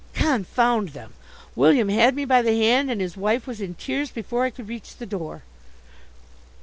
Confound them! William had me by the hand, and his wife was in tears before I could reach the door.